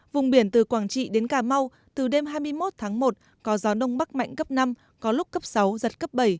vùng biển từ quảng trị đến cà mau từ đêm hai mươi một tháng một có gió đông bắc mạnh cấp năm có lúc cấp sáu giật cấp bảy